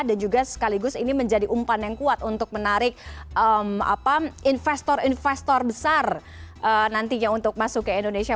dan juga sekaligus ini menjadi umpan yang kuat untuk menarik investor investor besar nantinya untuk masuk ke indonesia